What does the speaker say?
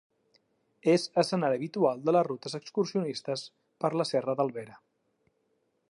És escenari habitual de les rutes excursionistes per la Serra de l'Albera.